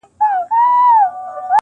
غټ بدن داسي قوي لکه زمری ؤ,